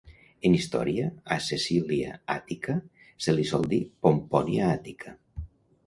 En història, a Cecília Àtica se li sol dir Pompònia Àtica.